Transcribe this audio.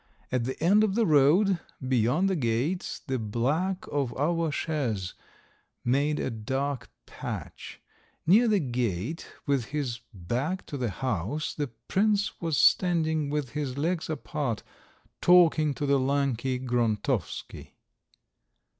At the end of the road, beyond the gates, the back of our chaise made a dark patch. Near the gate, with his back to the house, the prince was standing with his legs apart, talking to the lanky Grontovsky.